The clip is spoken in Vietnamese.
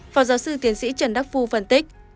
phó giáo sư tiến sĩ trần đắc phu phân tích